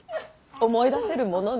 思い出せるものね。